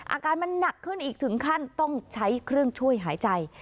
อาการมันหนักขึ้นอีกถึงขั้นต้องใช้เครื่องช่วยหายใจ